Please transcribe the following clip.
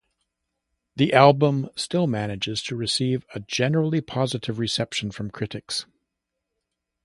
The album still managed to receive a generally positive reception from critics.